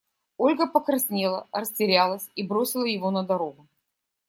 Ольга покраснела, растерялась и… бросила его на дорогу.